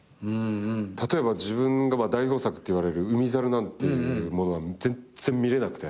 例えば自分が代表作といわれる『海猿』なんていうものは全然見れなくて。